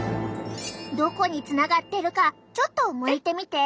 どこにつながってるかちょっとむいてみて！